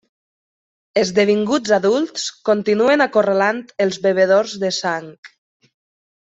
Esdevinguts adults, continuen acorralant els bevedors de sang.